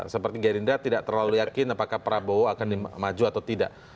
seperti gerindra tidak terlalu yakin apakah prabowo akan maju atau tidak